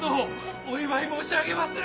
お祝い申し上げまする！